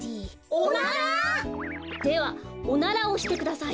おなら？ではおならをしてください。